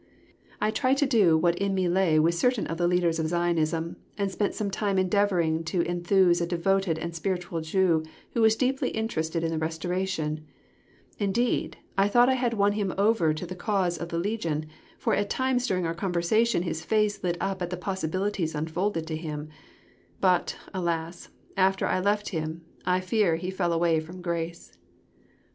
I tried to do what in me lay with certain of the leaders of Zionism, and spent some time endeavouring to enthuse a devoted and spiritual Jew who was deeply interested in the Restoration; indeed, I thought I had won him over to the cause of the legion, for at times during our conversation his face lit up at the possibilities unfolded to him, but, alas, after I left him, I fear he fell away from grace!